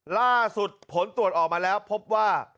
ล่าสุดผลตรวจออกมาแล้วพบว่า